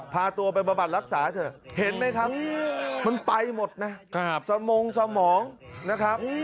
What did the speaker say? พาตัวไปบำบัดรักษาเถอะเห็นไหมครับมันไปหมดนะสมงสมองนะครับ